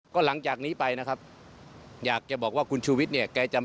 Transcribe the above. ก็หลังจากนี้ไปนะครับอยากจะบอกว่าคุณชูวิทย์เนี่ยแกจะ